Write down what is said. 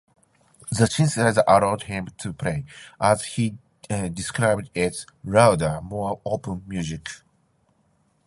The synthesizer allowed him to play, as he described it louder, more open music.